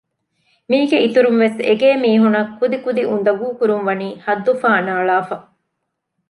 މީގެ އިތުރުންވެސް އެގޭ މީހުންނަށް ކުދިކުދި އުނދަގޫކުރުން ވަނީ ހައްދުފަހަނަ އަޅާފަ